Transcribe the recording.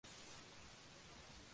El show tuvo varias críticas.